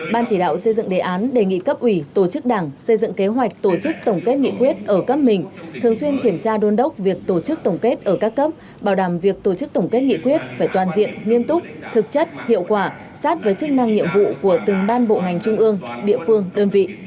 ban chỉ đạo xây dựng đề án đề nghị cấp ủy tổ chức đảng xây dựng kế hoạch tổ chức tổng kết nghị quyết ở cấp mình thường xuyên kiểm tra đôn đốc việc tổ chức tổng kết ở các cấp bảo đảm việc tổ chức tổng kết nghị quyết phải toàn diện nghiêm túc thực chất hiệu quả sát với chức năng nhiệm vụ của từng ban bộ ngành trung ương địa phương đơn vị